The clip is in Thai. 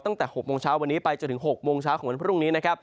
ตั้งแต่๖โมงเช้าวันนี้ไปจนถึง๖โมงเช้าของวันพรุ่งนี้นะครับ